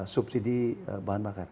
subsidi bahan bakar